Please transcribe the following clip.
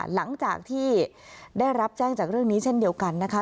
หลังจากที่ได้รับแจ้งจากเรื่องนี้เช่นเดียวกันนะคะ